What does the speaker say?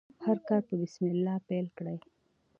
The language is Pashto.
هر کار په بسم الله پیل کړئ.